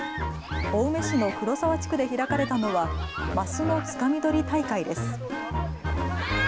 青梅市の黒沢地区で開かれたのは、マスのつかみ取り大会です。